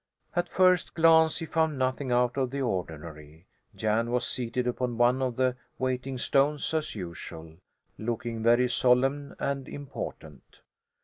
At first glance he found nothing out of the ordinary, Jan was seated upon one of the waiting stones, as usual, looking very solemn and important.